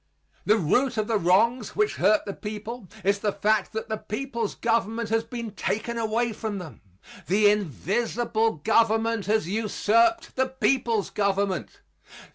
The root of the wrongs which hurt the people is the fact that the people's government has been taken away from them the invisible government has usurped the people's government.